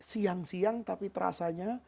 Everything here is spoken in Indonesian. siang siang tapi terasanya